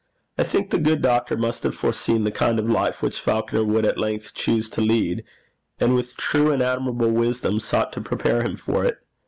I think the good doctor must have foreseen the kind of life which Falconer would at length choose to lead, and with true and admirable wisdom, sought to prepare him for it.